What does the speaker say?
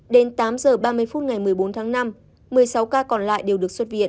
đến tám h ba mươi phút ngày một mươi bốn tháng năm một mươi sáu ca còn lại đều được xuất viện